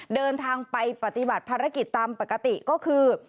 เดินทางไปปฏิบัติภารกิจตามปกติก็คือ